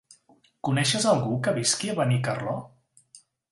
Coneixes algú que visqui a Benicarló?